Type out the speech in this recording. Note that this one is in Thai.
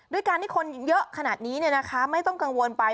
ด้วยการที่คนยังเยอะขนาดนี้เนี่ยนะคะไม่ต้องกังวลไป